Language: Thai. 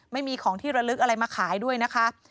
ไม่มีของที่ระลึกอะไรมาขายด้วยนะคะ